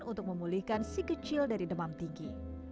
untuk memulihkan si kecil dari demam tinggi